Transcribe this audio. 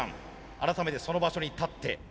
改めてその場所に立って。